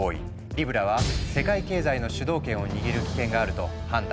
リブラは世界経済の主導権を握る危険があると判断されたんだ。